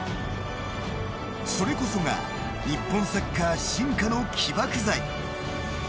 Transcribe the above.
それこそが日本サッカー進化の起爆剤。